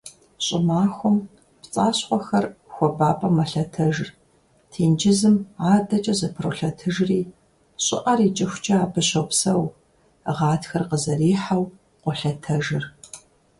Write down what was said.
Щӏымахуэм пцӏащхъуэхэр хуабапӏэм мэлъэтэжыр, тенджызым адэкӏэ зэпролъэтыжри щӏыӏэр икӏыхукӏэ абы щопсэу, гъатхэр къызэрихьэу, къолъэтэжыр.